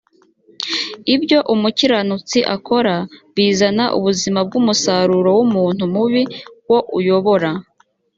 ibyo umukiranutsi akora bizana ubuzima w umusaruro w umuntu mubi wo uyobora